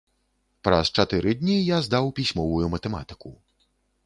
Праз чатыры дні я здаў пісьмовую матэматыку.